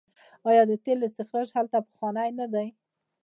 آیا د تیلو استخراج هلته پخوانی نه دی؟